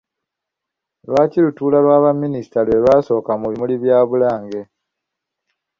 Lwali lutuula lwa Baminisita lwe lwasooka mu bimuli bya Bulange.